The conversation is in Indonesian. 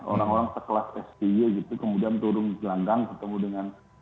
orang orang sekelas sby gitu kemudian turun gelanggang bertemu dengan